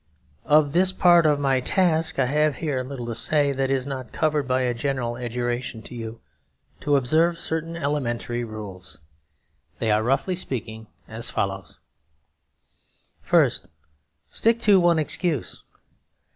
Of this part of my task I have here little to say that is not covered by a general adjuration to you to observe certain elementary rules. They are, roughly speaking, as follows: First, stick to one excuse.